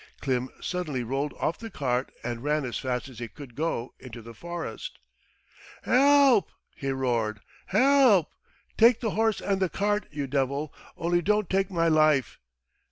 Klim suddenly rolled off the cart and ran as fast as he could go into the forest. "Help!" he roared. "Help! Take the horse and the cart, you devil, only don't take my life.